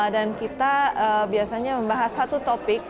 dan kita biasanya membahas satu topik